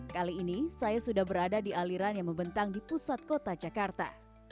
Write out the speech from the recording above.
kali ini saya sudah berada di aliran yang membentang di pusat kota jakarta